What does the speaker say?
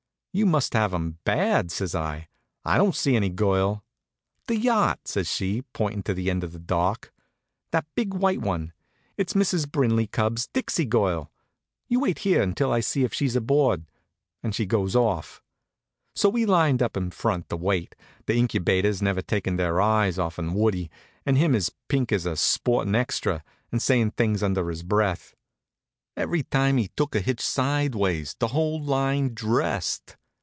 "You must have 'em bad," says I. "I don't see any girl." "The yacht!" says she, pointin' to the end of the dock. "That big white one. It's Mrs. Brinley Cubbs' Dixie Girl. You wait here until I see if she's aboard," and off she goes. So we lined up in front to wait, the Incubators never takin' their eyes off'n Woodie, and him as pink as a sportin' extra, and sayin' things under his breath. Every time he took a hitch sideways the whole line dressed.